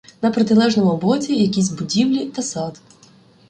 На протилежному боці якісь будівлі та сад.